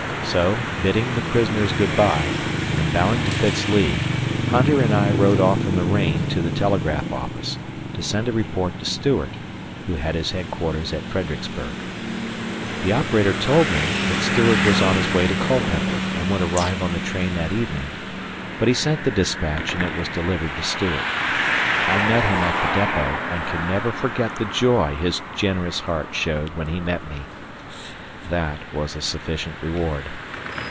So, bidding the prisoners good by and bowing to Fitz Lee, Hunter and I rode off in the rain to the telegraph office to send a report to Stuart, who had his headquarters at Fredericksburg. The operator told me that Stuart was on his way to Culpeper and would arrive on the train that evening, but he sent the dispatch and it was delivered to Stuart. I met him at the depot and can never forget the joy his generous heart showed when he met me. That was a sufficient reward.